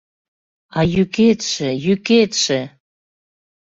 А йӱкетше, йӱкетше!